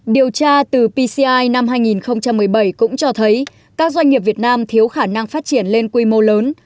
điều tra từ pci năm hai nghìn một mươi bảy cũng cho thấy các doanh nghiệp việt nam thiếu khả năng phát triển lên quy mô lớn